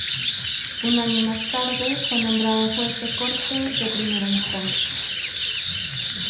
Un año más tarde fue nombrado juez de Corte de primera instancia.